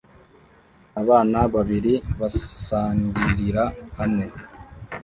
Abana babiri basangirira hamwe